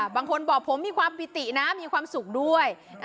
บางคนบอกผมมีความปิตินะมีความสุขด้วย